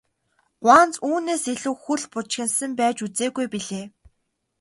Гуанз үүнээс илүү хөл бужигнасан байж үзээгүй билээ.